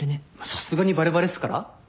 さすがにバレバレっすから。